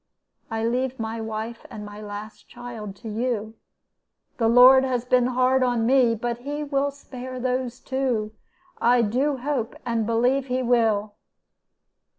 I leave my wife and my last child to you. The Lord has been hard on me, but He will spare me those two. I do hope and believe He will.'